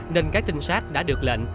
nên các trinh sát đã được lệnh